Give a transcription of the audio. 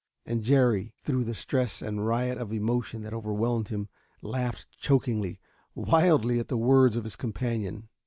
And Jerry, through the stress and riot of emotion that overwhelmed him, laughed chokingly, wildly, at the words of his companion.